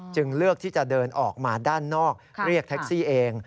เลือกที่จะเดินออกมาด้านนอกเรียกแท็กซี่เอง